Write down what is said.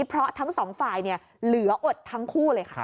เพราะทั้งสองฝ่ายเหลืออดทั้งคู่เลยค่ะ